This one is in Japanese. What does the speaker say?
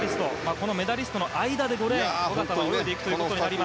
このメダリストの間で５レーンで小方は泳いでいくことになります。